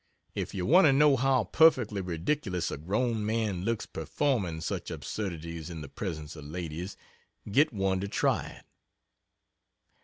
If you want to know how perfectly ridiculous a grown man looks performing such absurdities in the presence of ladies, get one to try it.